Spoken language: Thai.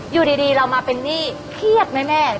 อยู่ดีเรามาเป็นนี่เฉียดไหมแม่